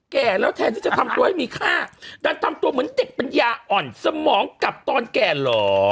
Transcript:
แก่แล้วแทนที่จะทำตัวให้มีค่าดันทำตัวเหมือนเด็กปัญญาอ่อนสมองกลับตอนแก่เหรอ